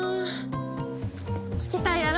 聞きたいやろ？